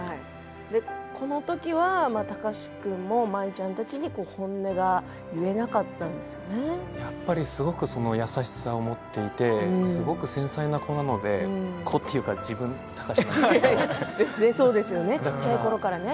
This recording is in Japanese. この時は貴司君も舞ちゃんたちにやっぱりすごく優しさを持っていてすごく繊細な子なので子というか自分小さいころからね。